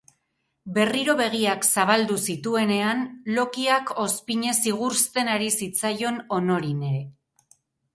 Berriro begiak zabaldu zituenean lokiak ozpinez igurzten ari zitzaion Honorine.